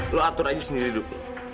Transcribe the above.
lu atur aja sendiri hidup